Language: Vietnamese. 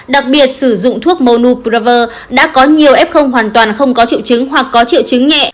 đặc biệt sử dụng thuốc monu praver đã có nhiều f hoàn toàn không có triệu chứng hoặc có triệu chứng nhẹ